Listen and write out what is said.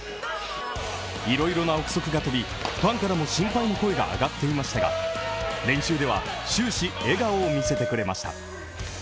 いろいろな憶測が飛び、ファンからも心配の声が上がっていましたが、練習では終始笑顔を見せてくれました。